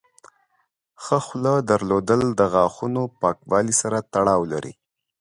ښه خوله درلودل د غاښونو پاکوالي سره تړاو لري.